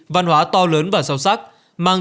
văn hóa to lớn và sâu sắc mang